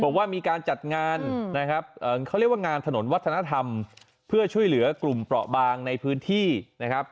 บอกว่ามีการจัดงานนะครับเขาเรียกว่างานถนนวัฒนธรรมเพื่อช่วยเหลือกลุ่มเปราะบางในพื้นที่นะครับ